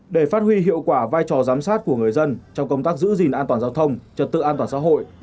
để phát huy hiệu quả vai trò giám sát của người dân trong công tác giữ gìn an toàn giao thông trật tự an toàn xã hội